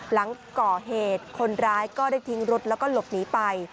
หลังก่อเหตุคนร้ายก็ได้ทิ้งรถแล้วก็หลบหนีไป